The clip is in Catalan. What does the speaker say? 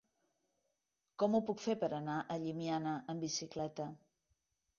Com ho puc fer per anar a Llimiana amb bicicleta?